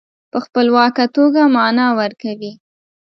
په خپلواکه توګه معنا ورکوي.